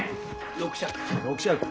６尺。